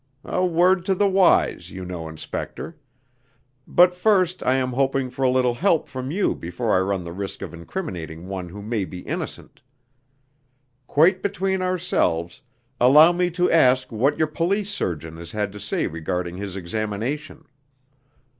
'A word to the wise,' you know, inspector! But first I am hoping for a little help from you before I run the risk of incriminating one who may be innocent. Quite between ourselves, allow me to ask what your police surgeon has had to say regarding his examination?"